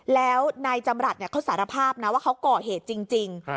แล้วนายจำรัฐเขาสารภาพนะว่าเขาก่อเหตุจริง